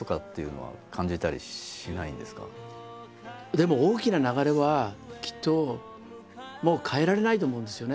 でも大きな流れはきっともう変えられないと思うんですよね